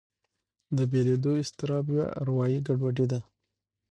دا بېلېدو اضطراب یوه اروایي ګډوډي ده.